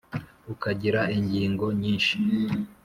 ukagira ingingo nyinshi,